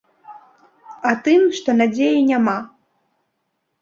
А тым, што надзеі няма.